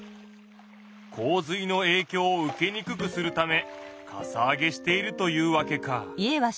洪水のえいきょうを受けにくくするためかさ上げしているというわけか。